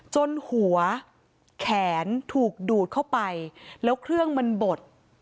จนหัวแขนถูกดูดเข้าไปแล้วเครื่องมันบด